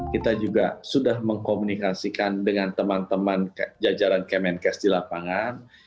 kita juga sudah mengkomunikasikan dengan teman teman jajaran kemenkes di lapangan